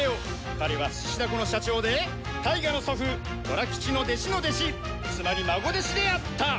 彼は獅子だこの社長でタイガの祖父寅吉の弟子の弟子つまり孫弟子であった。